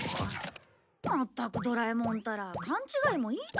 まったくドラえもんったら勘違いもいいとこだよ。